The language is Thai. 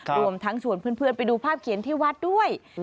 รวมทั้งชวนเพื่อนไปดูภาพเขียนที่วัดด้วย